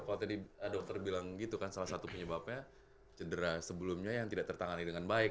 kalau tadi dokter bilang gitu kan salah satu penyebabnya cedera sebelumnya yang tidak tertangani dengan baik